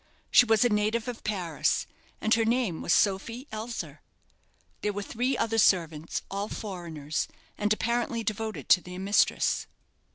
She was a native of Paris, and her name was Sophie Elser. There were three other servants, all foreigners, and apparently devoted to their mistress.